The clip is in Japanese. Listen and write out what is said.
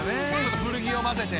古着を交ぜて。